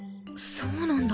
そうなんだ。